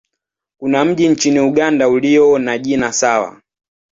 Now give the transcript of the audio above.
Kuna mji nchini Uganda ulio na jina sawa.